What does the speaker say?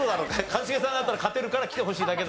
一茂さんだったら勝てるから来てほしいだけだろ。